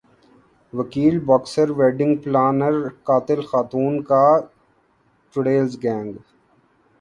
وکیل boxer wedding planner قاتل خاتون کا چڑیلز گینگ